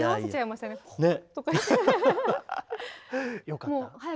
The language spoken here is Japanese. よかった？